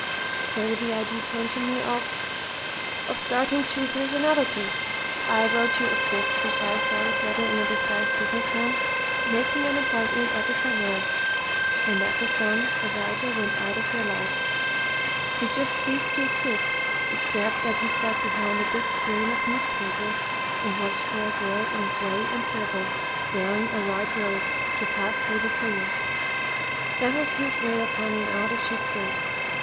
So the idea came to me of of starting two personalities. I wrote you a stiff, precise sort of letter in a disguised business hand, making an appointment at the Savoy. When that was done, the writer went out of your life. "He just ceased to exist, except that he sat behind a big screen of newspaper and watched for a girl in gray and purple, wearing a white rose, to pass through the foyer. That was his way of finding out if she'd suit.